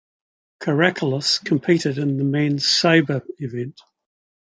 Karakalos competed in the men's sabre event.